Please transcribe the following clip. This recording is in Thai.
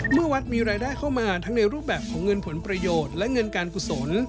เมื่อวัดมีรายได้เข้ามาทั้งในรูปแบบของเงินผลประโยชน์และเงินการกุศล